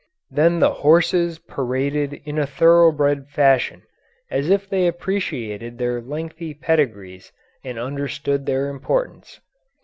Then the horses paraded in a thoroughbred fashion, as if they appreciated their lengthy pedigrees and understood their importance.